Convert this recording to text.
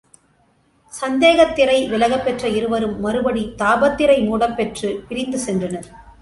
சந்தேகத்திரை விலகப் பெற்ற இருவரும், மறுபடி தாபத்திரை மூடப்பெற்றுப் பிரிந்து சென்றனர்.